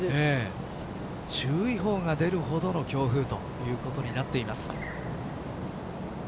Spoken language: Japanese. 注意報が出るほどの強風ということになっています。